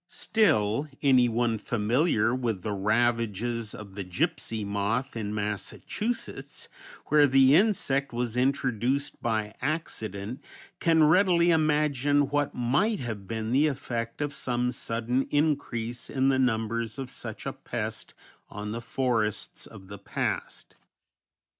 Still, anyone familiar with the ravages of the gipsy moth in Massachusetts, where the insect was introduced by accident, can readily imagine what might have been the effect of some sudden increase in the numbers of such a pest on the forests of the past.